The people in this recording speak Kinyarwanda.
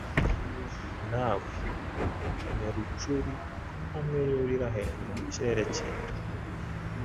Nawe, Merucuri ko hamwe yurira hejuru mukirere cyera,